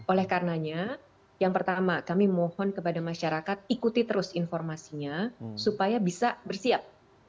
oleh karenanya yang pertama kami mohon kepada masyarakat ikuti terus informasinya supaya bisa bersiap